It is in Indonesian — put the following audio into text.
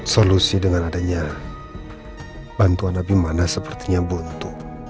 solusi dengan adanya bantuan nabi mana sepertinya buntu